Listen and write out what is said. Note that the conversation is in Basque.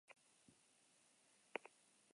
Non gogoa, han zangoa!